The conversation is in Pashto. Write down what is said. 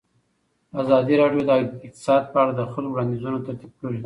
ازادي راډیو د اقتصاد په اړه د خلکو وړاندیزونه ترتیب کړي.